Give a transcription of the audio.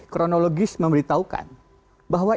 kronologis memberitahukan bahwa